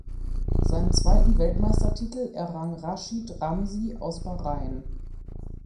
Seinen zweiten Weltmeistertitel errang Rashid Ramzi aus Bahrain.